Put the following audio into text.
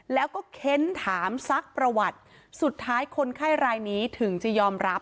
แล้วก็เค้นถามซักประวัติสุดท้ายคนไข้รายนี้ถึงจะยอมรับ